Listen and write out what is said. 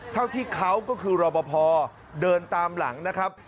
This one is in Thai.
เท่าที่เขาก็คือรอปภเดินตามหลังนะครับ